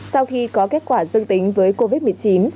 sau khi có kết quả dương tính với covid một mươi chín